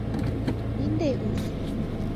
Ниндәй үс?